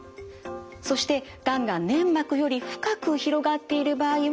そしてがんが粘膜より深く広がっている場合は手術。